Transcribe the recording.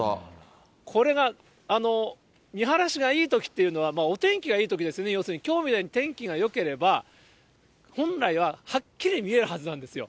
これが見晴らしがいいときっていうのは、お天気がいいときですね、要するにきょうみたいに天気がよければ、本来は、はっきり見えるはずなんですよ。